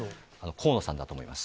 河野さんだと思います。